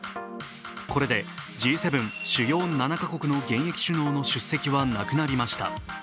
これでＧ７＝主要７か国の現役首脳の出席はなくなりました。